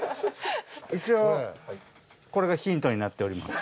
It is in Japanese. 一応これがヒントになっております。